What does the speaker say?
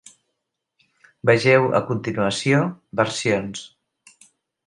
Vegeu a continuació "Versions".